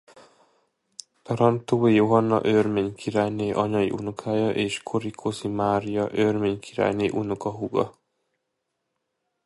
Tarantói Johanna örmény királyné anyai unokája és Korikoszi Mária örmény királyné unokahúga.